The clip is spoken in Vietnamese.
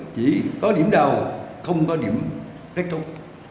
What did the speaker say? chỉ có điểm đầu không có điểm kết thúc